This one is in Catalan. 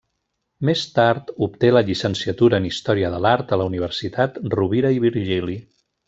Més tard, obté la llicenciatura en Història de l’Art a la Universitat Rovira i Virgili.